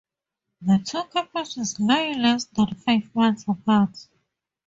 The two campuses lie less than five miles apart.